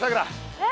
えっ？